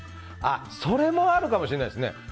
それもあるかもしれないですね。